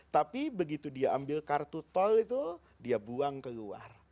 tapi begitu dia ambil kartu tol itu dia buang keluar